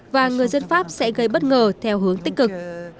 và người dân pháp sẽ gây bất ngờ theo hướng tích cực